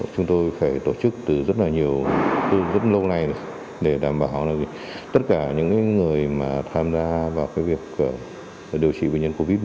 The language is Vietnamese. chúng tôi phải tổ chức từ rất là nhiều rất lâu này để đảm bảo tất cả những người mà tham gia vào việc điều trị bệnh nhân covid một mươi chín